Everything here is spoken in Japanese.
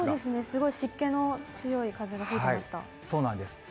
すごい湿気の強い風が吹いてそうなんです。